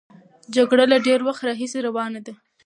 جګړه له ډېر وخت راهیسې روانه ده.